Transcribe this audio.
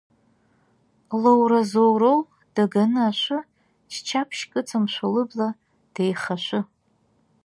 Лоура-зоуроу даганы ашәы, ччаԥшьк ыҵамшәо лыбла, деихашәы.